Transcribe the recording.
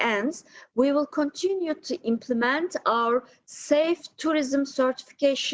untuk menarik lebih banyak penontonan dan penontonan yang lebih muda ke turki dan di indonesia